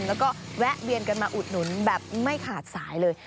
แล้วก็แวะเวียนกันมาอุดหนุนแบบไม่ขาดสายเลย